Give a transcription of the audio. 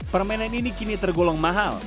permainan ini kini tergolong mahal